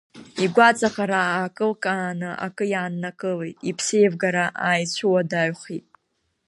Игәаҵаӷара аакылкааны акы иааннакылеит, иԥсеивгара ааицәуадаҩхеит.